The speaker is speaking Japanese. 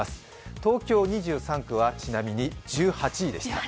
東京２３区はちなみに１８位でした。